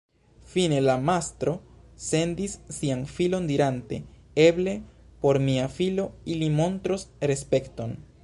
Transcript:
Fine la mastro sendis sian filon dirante: ‘Eble por mia filo ili montros respekton’.